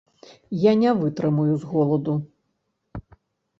Я не вытрымаю з голаду.